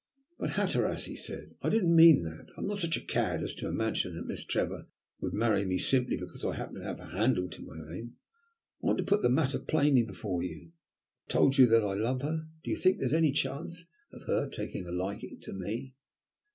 "But, Hatteras," he said, "I didn't mean that. I'm not such a cad as to imagine that Miss Trevor would marry me simply because I happen to have a handle to my name. I want to put the matter plainly before you. I have told you that I love her, do you think there is any chance of her taking a liking to me?"